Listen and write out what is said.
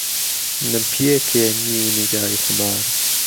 نهمپیێکێ نیو نیگای خومار